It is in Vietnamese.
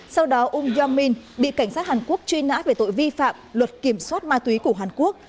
sau đó um jong min bị cảnh sát hàn quốc truy nã về tội vi phạm luật kiểm soát ma túy của hàn quốc